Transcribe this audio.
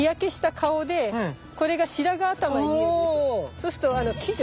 そうすると鬼女。